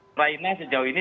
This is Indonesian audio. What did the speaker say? perang ini sejauh ini